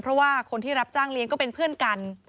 เพราะว่าคนที่รับจ้างเลี้ยงก็เป็นเพื่อนกัน